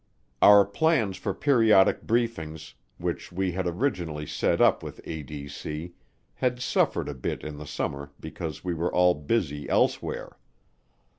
Our plans for periodic briefings, which we had originally set up with ADC, had suffered a bit in the summer because we were all busy elsewhere.